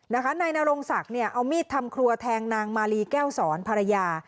นายนรงศักดิ์เนี่ยเอามีดทำครัวแทงนางมาลีแก้วสอนภรรยา